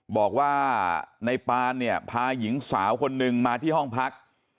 บอกว่าในปานเนี่ยพาหญิงสาวคนนึงมาที่ห้องพัก